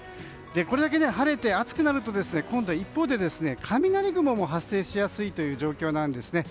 これだけ晴れて暑くなると今度は、一方で雷雲も発生しやすい状況なんですね。